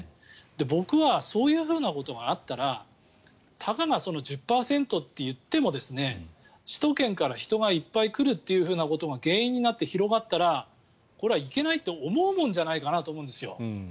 僕はそういうふうなことがあったらたかが１０％といっても首都圏からいっぱい人が来るというようなことが原因になって広がったらこれはいけないと思うもんじゃないのかなと思うんですよ。